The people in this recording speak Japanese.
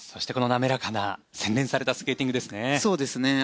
滑らかな洗練されたスケーティングですね。